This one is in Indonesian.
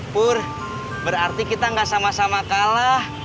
pur berarti kita gak sama sama kalah